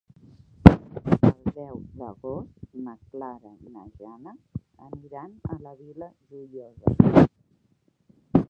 El deu d'agost na Clara i na Jana aniran a la Vila Joiosa.